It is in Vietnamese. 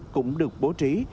cũng được bố trí